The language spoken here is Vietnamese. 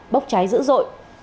bốc cháy dữ dội